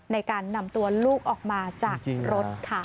ในการนำตัวลูกออกมาจากรถค่ะ